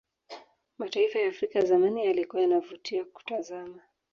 mataifa ya afrika zamani yalikuwa yanavutia kutazama